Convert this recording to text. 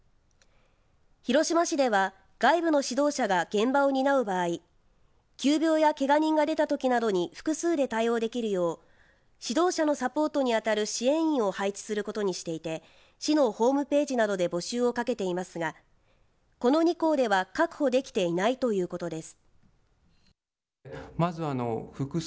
広島市では外部の指導者が現場を担う場合急病やけが人が出たときなどに複数で対応できるよう指導者のサポートに当たる支援員を配置することにしていて市のホームページなどで募集をかけていますがこの２校では確保できていないということです。